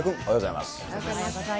おはようございます。